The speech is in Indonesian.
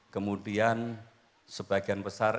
kemudian sebagian besar